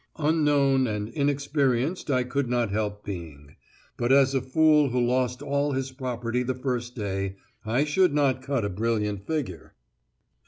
Unknown and inexperienced I could not help being; but as a fool who lost all his property the first day, I should not cut a brilliant figure!